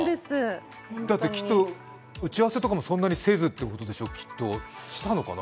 だってきっと、打ち合わせもそんなせずってことでしょ、したのかな？